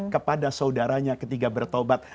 kepada saudaranya ketika bertobat